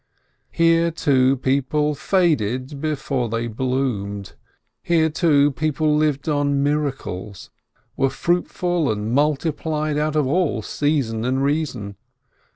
Here, too, people faded before they bloomed. Here, too, men lived on miracles, were fruitful and multi plied out of all season and reason.